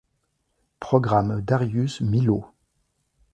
Programme Darius Milhaud.